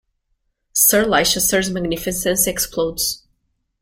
Sir Leicester's magnificence explodes.